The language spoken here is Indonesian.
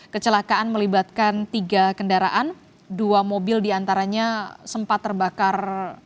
kecelakaan melibatkan tiga kendaraan dua mobil diantaranya sempat terbakar